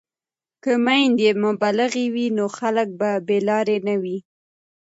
که میندې مبلغې وي نو خلک به بې لارې نه وي.